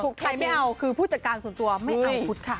ไทยไม่เอาคือผู้จัดการส่วนตัวไม่เอาพุทธค่ะ